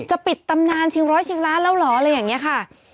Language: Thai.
จะปิดตำนานชิงร้อยชิงล้านแล้วเหรออะไรอย่างนี้ค่ะ